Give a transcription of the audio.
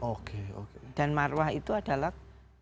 oke oke dan marwah itu adalah